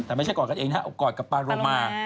แต่ไม่ใช่กอดกันเองนะฮะเอากอดกับปาโรมา